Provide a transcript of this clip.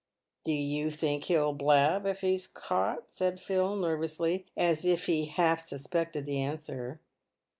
" Do you think he'll blab if he's caught ?" said Phil, nervously, as if he half suspected the answer.